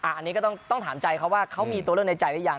อันนี้ก็ต้องถามใจเขาว่าเขามีตัวเลือกในใจหรือยัง